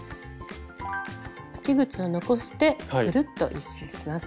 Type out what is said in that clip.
あき口を残してぐるっと１周します。